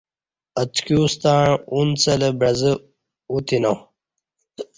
اَتکیوستݩع ا نڅہ لہ بعزہ ا تینا